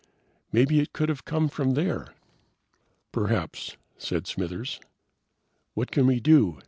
"Maybe it could have come from there." "Perhaps," said Smithers. "What can we do?"